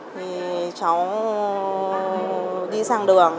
thì cháu đi sang đường